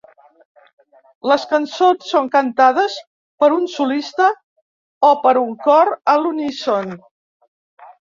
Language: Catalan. Les cançons són cantades per un solista o per un cor a l'uníson.